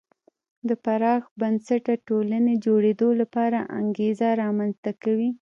د پراخ بنسټه ټولنې جوړېدو لپاره انګېزه رامنځته کوي.